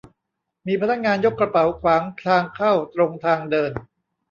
มีพนักงานยกกระเป๋าขวางทางเข้าตรงทางเดิน